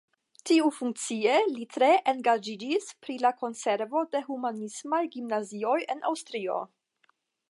Tiufunkie li tre engaĝiĝis pri la konservo de humanismaj gimnazioj en Aŭstrio.